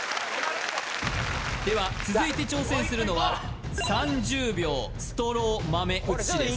では続いて挑戦するのは３０秒ストロー豆移しです